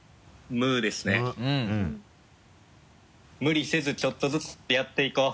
「む」「無理せずちょっとずつやっていこう」